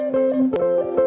lalu dia nyaman